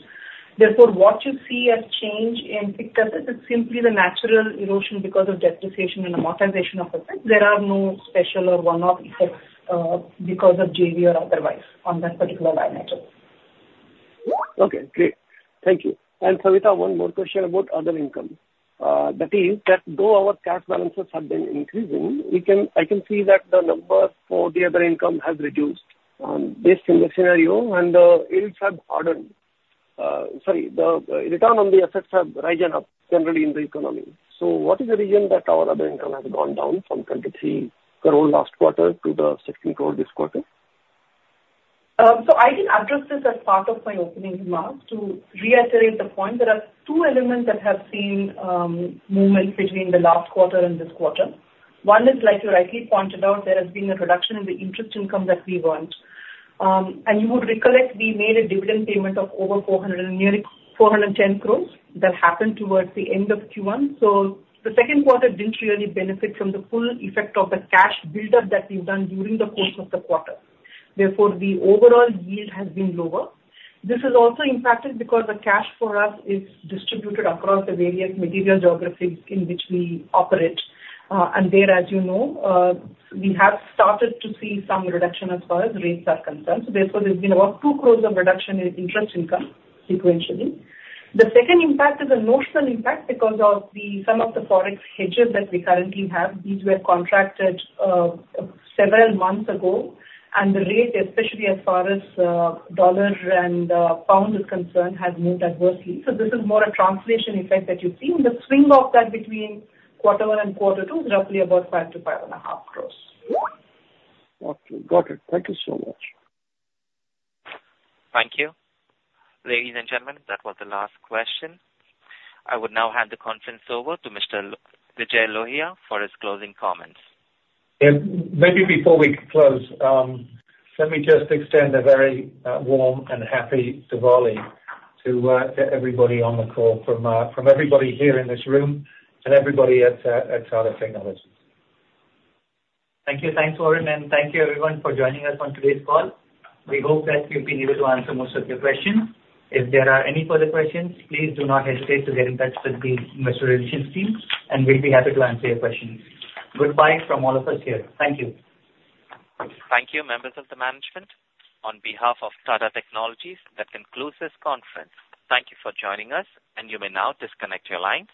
Therefore, what you see as change in fixed assets is simply the natural erosion because of depreciation and amortization of assets. There are no special or one-off effects, because of JV or otherwise on that particular line item. Okay, great. Thank you. And, Savita, one more question about other income. That is, that though our cash balances have been increasing, I can see that the number for the other income has reduced, based on the scenario, and the yields have hardened. Sorry, the return on the assets have risen up generally in the economy. So what is the reason that our other income has gone down from 23 crore last quarter to the 16 crore this quarter? So I did address this as part of my opening remarks. To reiterate the point, there are two elements that have seen movement between the last quarter and this quarter. One is, like you rightly pointed out, there has been a reduction in the interest income that we want. And you would recollect, we made a dividend payment of over 400, nearly 410 crore. That happened towards the end of Q1. So the second quarter didn't really benefit from the full effect of the cash buildup that we've done during the course of the quarter. Therefore, the overall yield has been lower. This is also impacted because the cash for us is distributed across the various material geographies in which we operate. And there, as you know, we have started to see some reduction as far as rates are concerned. So therefore, there's been about two crores of reduction in interest income sequentially. The second impact is a notional impact because of some of the Forex hedges that we currently have. These were contracted several months ago, and the rate, especially as far as dollar and pound is concerned, has moved adversely. So this is more a translation effect that you've seen. The swing of that between quarter one and quarter two is roughly about five to five and a half crores. Okay, got it. Thank you so much. Thank you. Ladies and gentlemen, that was the last question. I would now hand the conference over to Mr. Vijay Lohia for his closing comments. Maybe before we close, let me just extend a very warm and happy Diwali to everybody on the call from everybody here in this room and everybody at Tata Technologies. Thank you. Thanks, Warren, and thank you everyone for joining us on today's call. We hope that we've been able to answer most of your questions. If there are any further questions, please do not hesitate to get in touch with the investor relations team, and we'll be happy to answer your questions. Goodbye from all of us here. Thank you. Thank you, members of the management. On behalf of Tata Technologies, that concludes this conference. Thank you for joining us, and you may now disconnect your lines.